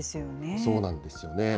そうなんですよね。